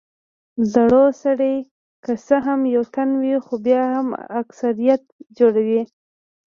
زړور سړی که څه هم یو تن وي خو بیا هم اکثريت جوړوي.